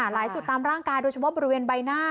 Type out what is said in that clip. หลายจุดตามร่างกายโดยเฉพาะบริเวณใบหน้า